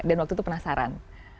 dan waktu itu penasaran